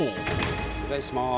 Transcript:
お願いします。